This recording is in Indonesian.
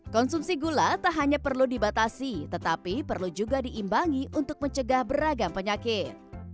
konsumsi gula tak hanya perlu dibatasi tetapi perlu juga diimbangi untuk mencegah beragam penyakit